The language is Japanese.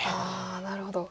なるほど。